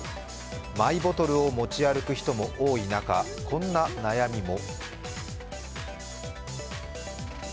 マイボトルを持ち歩く人も多い中、こんな悩みも。